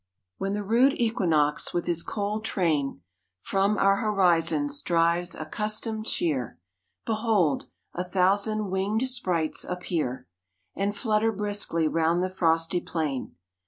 When the rude Equinox, with his cold train From our horizons drives accustomed cheer, Behold! a thousand winged sprites appear And flutter briskly round the frosty plain.